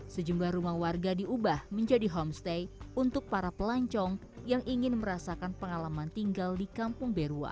sejumlah rumah warga diubah menjadi homestay untuk para pelancong yang ingin merasakan pengalaman tinggal di kampung berua